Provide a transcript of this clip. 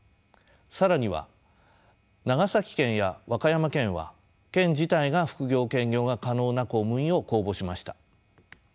更には長崎県や和歌山県は県自体が副業・兼業が可能な公務員を公募しました。